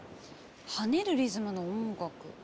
跳ねるリズムの音楽。